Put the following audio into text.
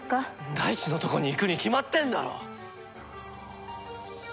大智のとこに行くに決まってんだろ！